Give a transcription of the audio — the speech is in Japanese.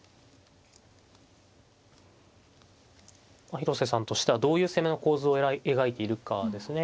広瀬さんとしてはどういう攻めの構図を描いているかですね。